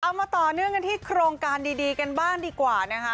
มาต่อเนื่องกันที่โครงการดีกันบ้างดีกว่านะคะ